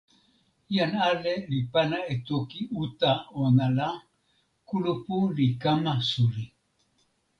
jan ale li pana e toki uta ona la, kulupu li kama suli.